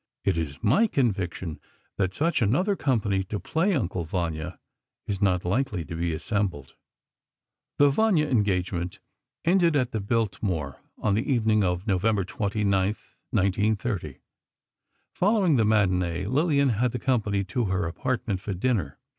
It is my conviction that such another company to play "Uncle Vanya" is not likely to be assembled. The "Vanya" engagement ended at the Biltmore on the evening of November 29, 1930. Following the matinée, Lillian had the company to her apartment, for dinner.